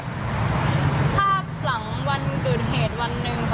ภาพหลังวันเกิดเหตุวันหนึ่งค่ะ